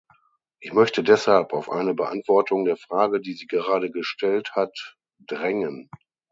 Ich möchte deshalb auf eine Beantwortung der Frage, die sie gerade gestellt hat, drängen.